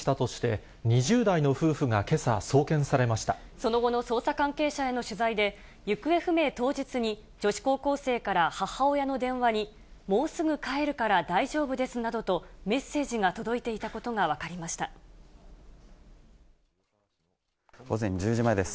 その後の捜査関係者への取材で、行方不明当日に、女子高校生から母親の電話に、もうすぐ帰るから大丈夫ですなどとメッセージが届いていたことが午前１０時前です。